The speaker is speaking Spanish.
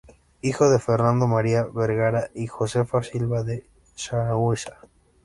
Hijo de "Fernando María Vergara" y "Josefa Silva de Sanhueza".